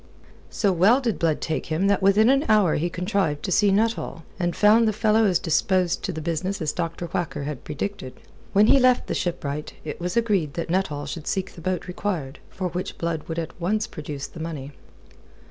So well did Blood take him that within an hour he contrived to see Nuttall, and found the fellow as disposed to the business as Dr. Whacker had predicted. When he left the shipwright, it was agreed that Nuttall should seek the boat required, for which Blood would at once produce the money.